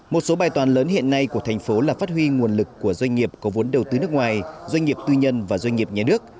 một số bài toàn lớn hiện nay của thành phố là phát huy nguồn lực của doanh nghiệp có vốn đầu tư nước ngoài doanh nghiệp tư nhân và doanh nghiệp nhà nước